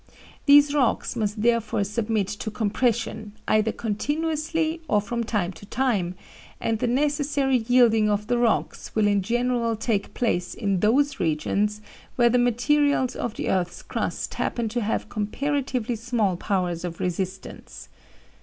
These rocks must therefore submit to compression, either continuously or from time to time, and the necessary yielding of the rocks will in general take place in those regions where the materials of the earth's crust happen to have comparatively small powers of resistance.